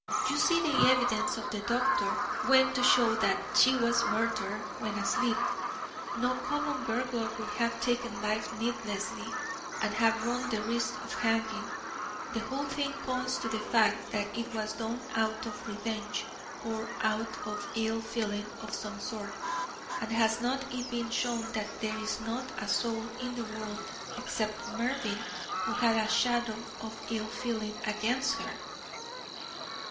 You see the evidence of the doctor went to show that she was murdered when asleep; no common burglar would have taken life needlessly, and have run the risk of hanging; the whole thing points to the fact that it was done out of revenge or out of ill feeling of some sort, and has it not been shown that there is not a soul in the world except Mervyn who had a shadow of ill feeling against her?"